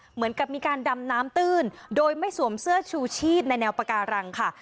เหมือนกับมีการดำน้ำตื้นโดยไม่สวมเสื้อชูชีพในแนวปาการังค่ะ